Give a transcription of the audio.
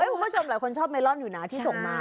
คุณผู้ชมหลายคนชอบเมลอนอยู่นะที่ส่งมา